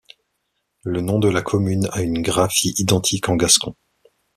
Le nom de la commune a une graphie identique en gascon.